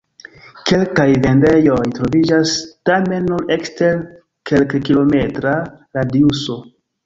Kelkaj vendejoj troviĝas, tamen nur ekster kelkkilometra radiuso.